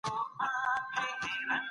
ادبي متن څو پوړونه لري